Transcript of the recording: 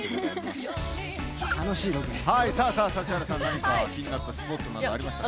さあさあ指原さん、何か気になったスポットはありますか？